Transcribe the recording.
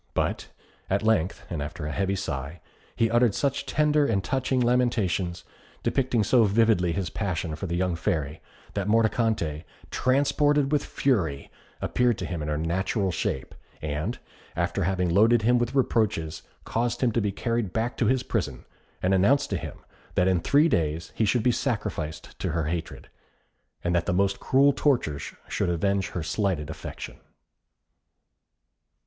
But, at length, after a heavy sigh, he uttered such tender and touching lamentations, depicting so vividly his passion for the young Fairy, that Mordicante, transported with fury, appeared to him in her natural shape; and, after having loaded him with reproaches, caused him to be carried back to his prison, and announced to him that in three days he should be sacrificed to her hatred, and that the most cruel tortures should avenge her slighted affection.